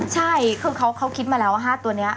ใช่คือเขาคิดมาแล้วว่า๕ตัวนี้